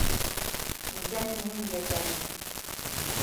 Гүзәл һинең ерҙәрең!